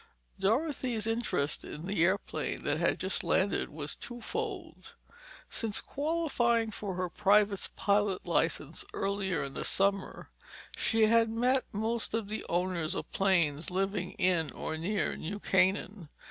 Dorothy's interest in the airplane that had just landed was twofold. Since qualifying for her private pilot's license earlier in the summer, she had met most of the owners of planes living in or near New Canaan.